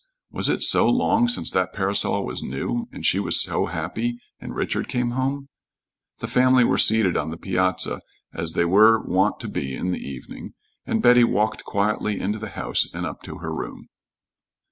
was it so long since that parasol was new and she was so happy and Richard came home ? The family were seated on the piazza as they were wont to be in the evening, and Betty walked quietly into the house, and up to her room.